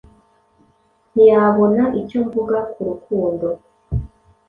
ntiyabona icyo mvuga ku rukundo